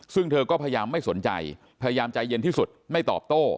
ซึ่งเธอก็พยายามไม่สนใจพยายามใจเย็นที่สุดไม่ตอบโต้